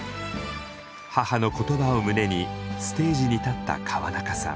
母の言葉を胸にステージに立った川中さん。